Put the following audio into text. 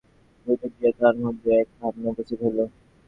কিছু দূর গিয়া তাহার মনের মধ্যে এক ভাবনা উপস্থিত হইল।